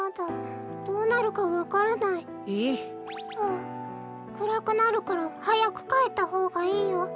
あくらくなるからはやくかえったほうがいいよ。